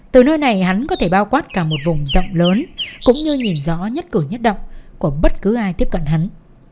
từ nơi này hắn có thể bao quát cả một vùng rộng lớn cũng như nhìn rõ nhất cử nhất động của bất cứ ai tiếp cận hắn